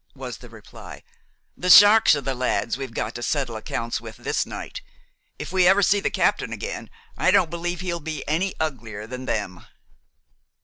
was the reply; "the sharks are the lads we've got to settle accounts with this night. If we ever see the captain again, I don't believe he'll be any uglier than them."